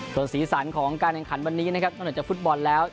ส่วนสีสันของการแข่งขันวันนี้นะครับนอกเหนือจากฟุตบอลแล้ว